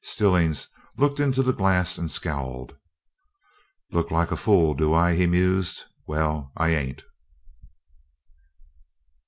Stillings looked into the glass and scowled. "Look like a fool, do I?" he mused. "Well, I ain't!"